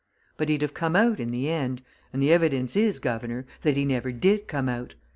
But he'd have come out in the end, and the evidence is, guv'nor, that he never did come out!